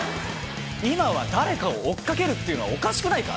「今は誰かを追っ掛けるっていうのはおかしくないか？」